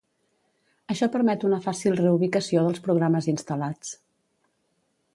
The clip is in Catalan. Això permet una fàcil reubicació dels programes instal·lats.